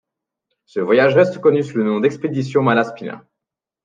Ce voyage reste connu sous le nom d'expédition Malaspina.